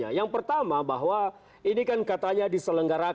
atau perangkat negara